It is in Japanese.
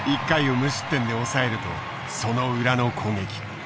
１回を無失点で抑えるとその裏の攻撃。